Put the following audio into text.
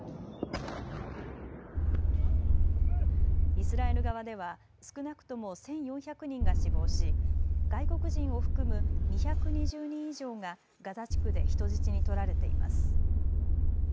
イスラエル側では少なくとも１４００人が死亡し外国人を含む２２０人以上がガザ地区で人質に取られています。